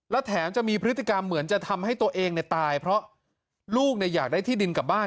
และแถมจะมีพฤติกรรมเหมือนจะทำให้ตัวเองตายเพราะลูกอยากได้ที่ดินกลับบ้าน